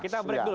kita break dulu